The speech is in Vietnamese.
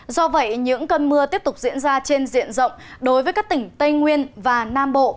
do vậy những cơn mưa tiếp tục diễn ra trên diện rộng đối với các tỉnh tây nguyên và nam bộ